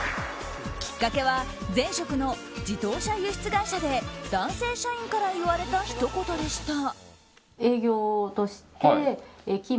きっかけは前職の自動車輸出会社で男性社員から言われたひと言でした。